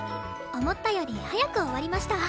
思ったより早く終わりました。